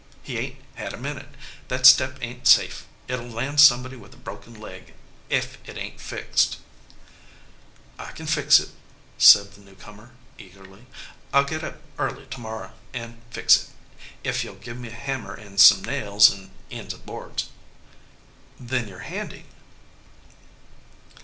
He ain t had a minute. That step ain t safe. It 11 land somebody with a broken leg ef it ain t fixed." "I kin fix it," said the new comer, eagerly. "I ll 300 "A RETREAT TO THE GOAL" git up early to morrer an fix it, ef you ll give me a hammer an some nails an ends of boards." "Then you re handy?"